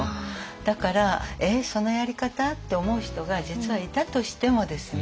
だから「えっそのやり方？」って思う人が実はいたとしてもですね